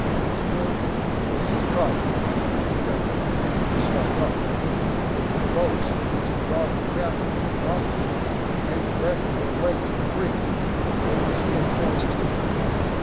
asked Murray. "The sea coffin," answered Terence, as they shoved off. The two boats which had brought the captain and his officers made the best of their way to the brig. They were soon close to her.